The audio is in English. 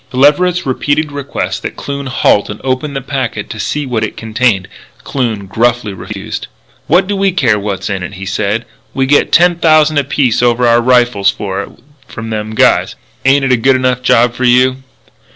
To Leverett's repeated requests that Kloon halt and open the packet to see what it contained, Kloon gruffly refused. "What do we care what's in it?" he said. "We get ten thousand apiece over our rifles for it from them guys. Ain't it a good enough job for you?"